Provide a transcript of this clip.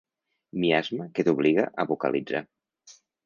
Miasma que t'obliga a vocalitzar.